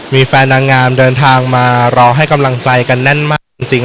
มีแฟนนางงามเดินทางมารอให้กำลังใจกันแน่นมากจริง